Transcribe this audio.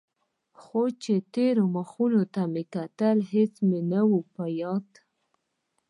خو چې تېرو مخونو ته مې کتل هېڅ مې نه و په ياد.